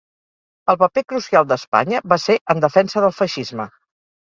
El "paper crucial d'Espanya" va ser en defensa del feixisme.